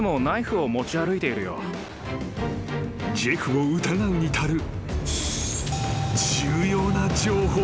［ジェフを疑うに足る］